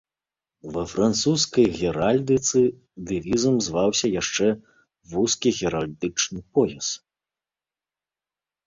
Ва французскай геральдыцы дэвізам зваўся яшчэ вузкі геральдычны пояс.